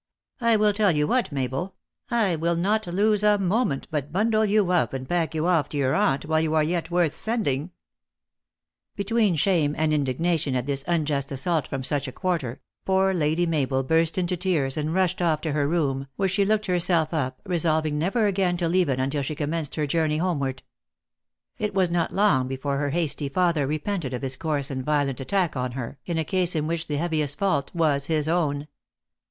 I will tell you what, Mabel, I will not lose a moment, but bundle you up, and pack you off to your aunt, while you are yet worth sending I" Between shame and indignation at this unjust as sault from such a quarter, poor Lady Mabel burst into tears, and rushed off to her room, where she locked herself up, resolving never again to leave it until she commenced her journey homeward. It was not long before her hasty father repented of his coarse and violent ^attack on her, in a case in which the heaviest fault was his own.